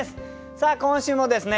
さあ今週もですね